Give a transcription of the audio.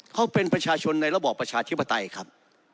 เขาเป็นประชาชนในระบอบประชาธิปไตยครับ